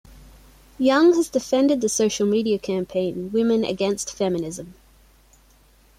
Young has defended the social media campaign Women Against Feminism.